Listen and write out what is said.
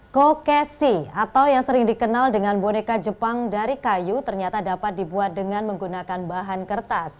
kokesi atau yang sering dikenal dengan boneka jepang dari kayu ternyata dapat dibuat dengan menggunakan bahan kertas